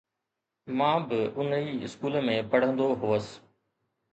مان به ان ئي اسڪول ۾ پڙهندو هوس.